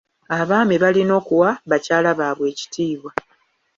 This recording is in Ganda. Abaami balina okuwa bakyala baabwe ekitiibwa.